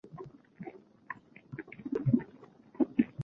একদিন রাজের গাড়ির সামনে এসে পরে কাজলের মেয়ে দিঘী।